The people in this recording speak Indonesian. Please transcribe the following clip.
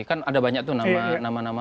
kan ada banyak tuh nama nama